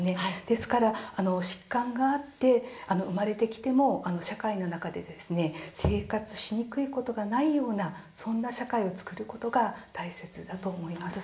ですから疾患があって生まれてきても社会の中で生活しにくいことがないようなそんな社会を作ることが大切だと思います。